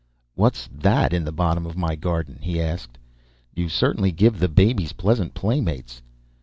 "What's that in the bottom of my garden?" he asked. "You certainly give the babies pleasant playmates."